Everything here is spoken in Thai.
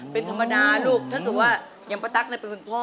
เป็นธรรมดาลูกถ้าสมมุติว่ายังปะตั๊กน่ะเป็นคุณพ่อ